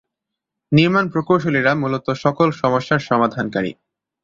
নির্মাণ প্রকৌশলীরা মূলত সকল সমস্যার সমাধান কারী।